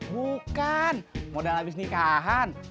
bukan modal abis nikahan